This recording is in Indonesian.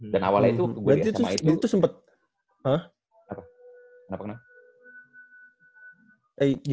dan awalnya itu waktu gue di sma itu